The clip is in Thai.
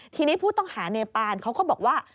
ทีนี้ผู้ต้องหาเนปานเขาก็บอกว่า